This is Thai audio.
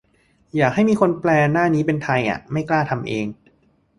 อยากให้มีคนแปลหน้านี้เป็นไทยอ่ะ ไม่กล้าทำเอง